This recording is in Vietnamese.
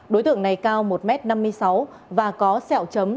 đối tượng này cao một m năm mươi sáu và có sẹo chấm